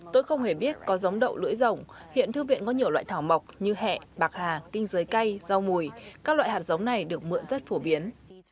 tôi không hề biết có giống đậu lưỡi rồng hiện thư viện có nhiều loại thảo mộc như hẹ bạc hà kinh giới cây rau mùi các loại hạt giống này được mượn rất phổ biến